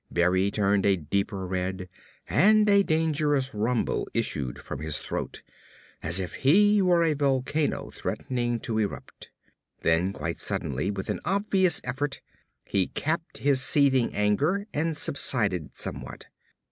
Berry turned a deeper red and a dangerous rumble issued from his throat, as if he were a volcano threatening to erupt. Then quite suddenly, with an obvious effort, he capped his seething anger and subsided somewhat.